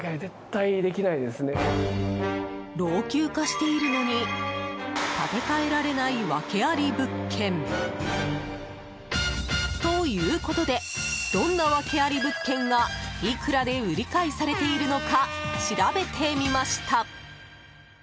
老朽化しているのに建て替えられないワケあり物件。ということでどんなワケあり物件がいくらで売り買いされているのか調べてみました。